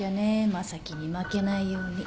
正樹に負けないように。